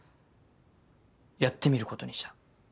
やってみることにした。